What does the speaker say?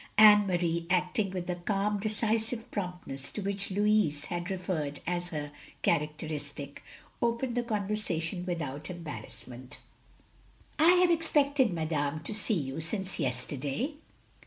Anne Marie, acting with the calm, decisive promptness to which Louis had referred as her characteristic, opened the conversation without embarrassment. 362 THE LONELY LADY ''I have expected, madame, to see you, since yesterday.